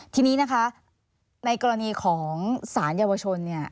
ทีนี้นะคะในกรณีของสารเยาวชนเนี่ย